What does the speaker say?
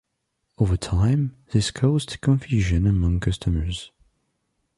Over time, this caused confusion among customers.